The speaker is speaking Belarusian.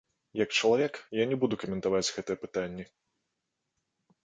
Як чалавек, я не буду каментаваць гэтыя пытанні.